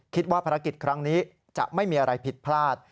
คิดว่าภารกิจครั้งนี้จะไม่มีอะไรผิดพลาด